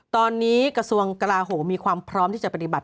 ตอนนี้กระทรวงกลาโหมมีความพร้อมที่จะปฏิบัติ